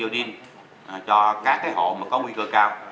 cho các hộ có nguy cơ cao